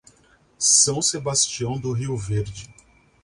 São Sebastião do Rio Verde